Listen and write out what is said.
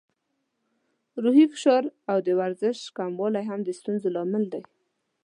روحي فشار او د ورزش کموالی هم د ستونزو لامل دی.